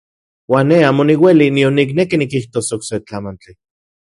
Uan ne amo niueli nion nikneki nikijtos okse tlamantli.